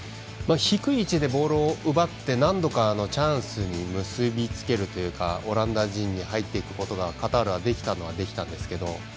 低い位置で奪って何度かチャンスに結び付けるというかオランダ陣に入っていくことがカタールはできたのはできたんですけど